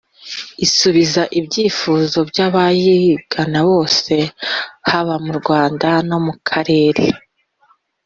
isubiza ibyifuzo by’abayigana bose haba mu Rwanda no mu karere